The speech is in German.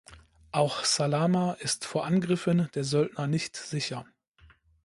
Auch Salama ist vor Angriffen der Söldner nicht sicher.